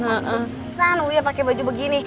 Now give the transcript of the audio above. maksusan uya pakai baju begini